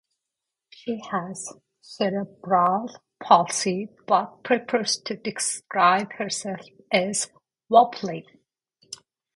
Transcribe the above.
She has cerebral palsy but prefers to describe herself as "wobbly".